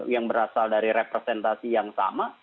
yang berasal dari representasi yang sama